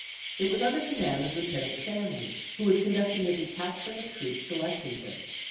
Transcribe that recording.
It was under command of Lieutenant Shanley, who was conducting a detachment of troops to Lexington.